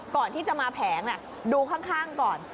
ก่อนที่จะมาแผงดูข้างก่อน